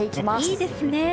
いいですね！